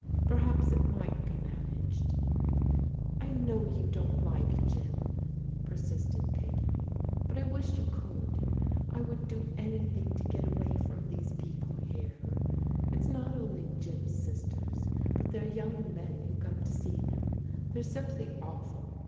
" Perhaps it might be managed." " I know you don't like Jim," persisted Peggy, " but I wish you could ! I would do anything to get away from these people here. It's not only Jim's sisters, but their young men who come to see them: — ^they're simply aw ful.